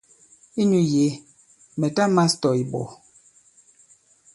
Inyū yě mɛ̀ ta mās tɔ̀ ìɓɔ̀.